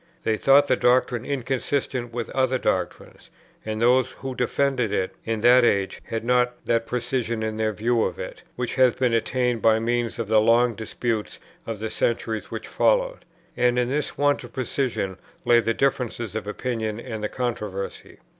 They thought the doctrine inconsistent with other doctrines; and those who defended it in that age had not that precision in their view of it, which has been attained by means of the long disputes of the centuries which followed. And in this want of precision lay the difference of opinion, and the controversy.